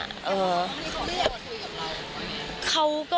อย่าลืมดีเรียนกับเรา